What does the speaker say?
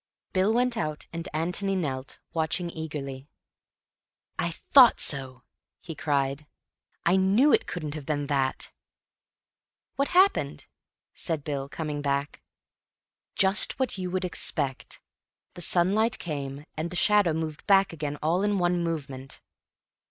Bill went out and Antony knelt, watching eagerly. "I thought so!" he cried. "I knew it couldn't have been that." "What happened?" said Bill, coming back. "Just what you would expect. The sunlight came, and the shadow moved back again—all in one movement."